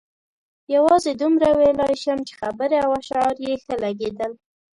یوازې دومره ویلای شم چې خبرې او اشعار یې ښه لګېدل.